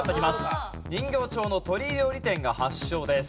人形町の鳥料理店が発祥です。